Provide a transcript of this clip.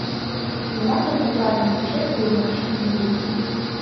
Зіма тут, натуральна, хутчэй, у думках, чым у музыцы.